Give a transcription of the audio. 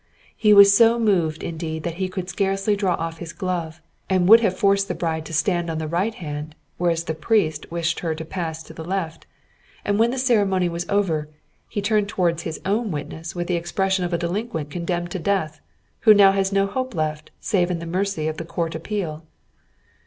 He was so moved indeed that he could scarcely draw off his glove, and would have forced the bride to stand on the right hand, whereas the priest wished her to pass to the left; and when the ceremony was over, he turned towards his own witness with the expression of a delinquent condemned to death who has now no hope left save in the mercy of the Court of Appeal.